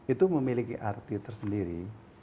itu memiliki arti tersendiri